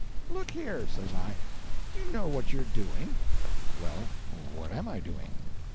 "Look here," says I, "do you know what you're doing?" "Well, what am I doing?"